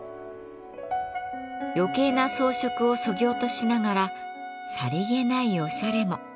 余計な装飾をそぎ落としながらさりげないおしゃれも。